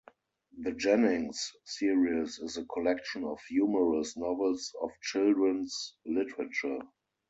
The "Jennings" series is a collection of humorous novels of children's literature.